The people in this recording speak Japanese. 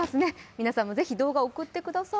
皆さんも是非、動画おくってください。